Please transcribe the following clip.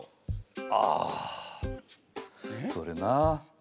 ああそれなあ。